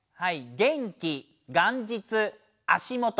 元気元日足元。